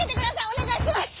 おねがいします。